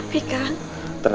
aku akan mencari cerita